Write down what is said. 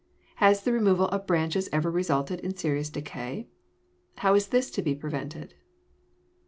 Has the removal of branches ever resulted in serious decay? How is this to be prevented?